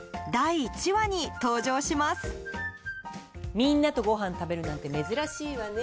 みんなとご飯食べるなんて珍しいわね。